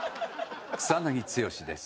草剛です。